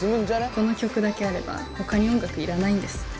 この曲だけあれば他に音楽いらないんです